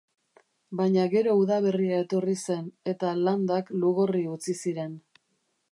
Baina gero udaberria etorri zen, eta landak lugorri utzi ziren.